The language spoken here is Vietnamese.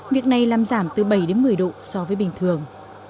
việc này làm giảm từ bảy đến một mươi độ so với bình thường